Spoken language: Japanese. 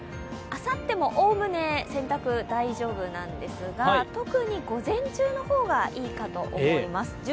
あさってもおおむね洗濯、大丈夫なんですが特に午前中の方がいいかと思います。